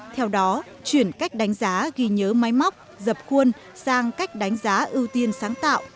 theo đó chuyển cách đánh giá ghi nhớ máy móc dập khuôn sang cách đánh giá ưu tiên sáng tạo